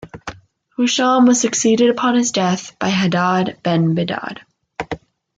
Husham was succeeded upon his death by Hadad ben Bedad.